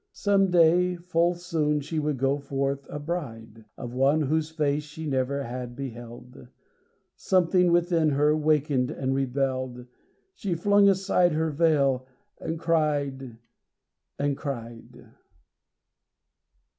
Some day, full soon, she would go forth a bride— Of one whose face she never had beheld. Something within her, wakened, and rebelled; She flung aside her veil, and cried, and cried.